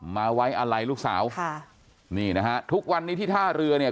มาไว้อะไรลูกสาวค่ะนี่นะฮะทุกวันนี้ที่ท่าเรือเนี่ย